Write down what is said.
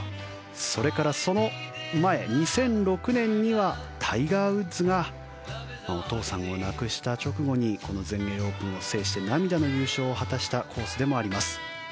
それからその前、２００６年にはタイガー・ウッズがお父さんを亡くした直後にこの全英オープンを制して涙の優勝を果たしたコースでもあります。